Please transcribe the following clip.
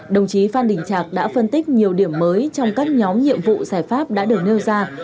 đồng chí phan đình trạc đã phân tích nhiều điểm mới trong các nhóm nhiệm vụ giải pháp đã được nêu ra